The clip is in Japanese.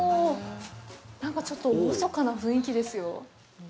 なんか、ちょっと厳かな雰囲気ですよ。